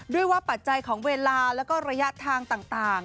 ด้วยว่าปัจจัยของเวลาแล้วก็ระยะทางต่าง